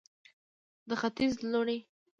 د ختیځ لوڼې